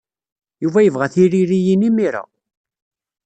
Yuba yebɣa tiririyin imir-a.